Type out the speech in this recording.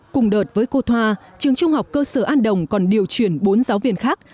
cùng đợt với cô thoa trường trung học cơ sở an đồng còn điều chuyển bốn giáo viên khác